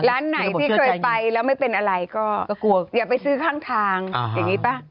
ร้านไหนที่เคยไปแล้วไม่เป็นอะไรก็กลัวอย่าไปซื้อข้างทางอย่างนี้ป่ะ